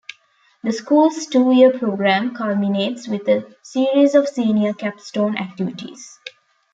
The school's two-year program culminates with a series of senior capstone activities.